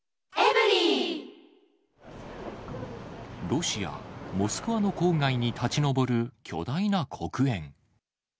ロシア・モスクワの郊外に立ち上る巨大な黒煙。